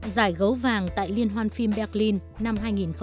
giải gấu vàng tại liên hoan phim berlin năm hai nghìn hai